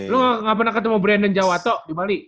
lu ga pernah ketemu brandon jawa toh di bali